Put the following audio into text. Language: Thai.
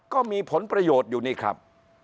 ก็มีผลประโยชน์อยู่นี่ครับ